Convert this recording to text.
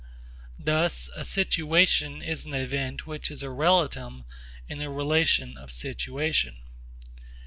Thus a situation is an event which is a relatum in the relation of situation.